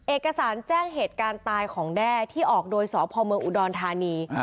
เอกสารแจ้งเหตุการณ์ตายของแด้ที่ออกโดยสพเมืองอุดรธานี